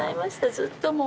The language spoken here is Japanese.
ずっともう。